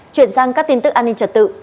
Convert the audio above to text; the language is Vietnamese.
chuyển sang các tin tức an ninh trật tự